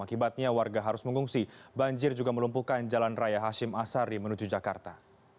akibatnya warga harus mengungsi banjir juga melumpuhkan jalan raya hashim asari menuju jakarta